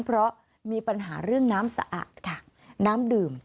เพราะมีปัญหาเรื่องน้ำสะอาดค่ะน้ำดื่ม